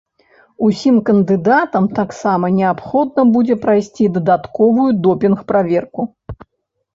Усім кандыдатам таксама неабходна будзе прайсці дадатковую допінг-праверку.